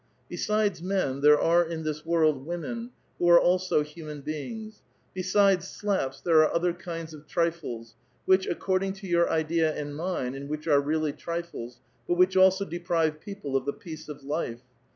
Besides men, there are in this world women, who are also human beings ; besides slaps, there are other kinds of trifles, which, according to your idea and mine, and which are really trifles, but which also deprive people of the peace of life.